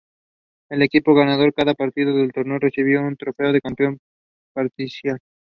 El equipo ganador de cada partido del torneo recibió un trofeo de campeón parcial.